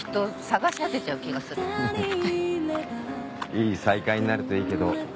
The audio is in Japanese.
いい再会になるといいけど。